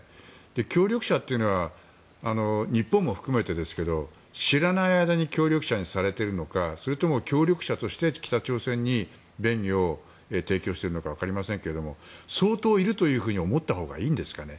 協力者というのは日本も含めてですけど知らない間に協力者にされているのかそれとも協力者として北朝鮮に便宜を提供しているのか分かりませんけれども相当いるというふうに思ったほうがいいんですかね。